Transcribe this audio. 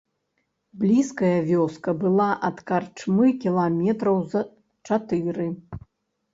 Блізкая вёска была ад карчмы кіламетраў з чатыры.